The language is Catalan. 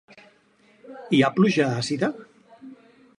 Hi ha pluja àcida?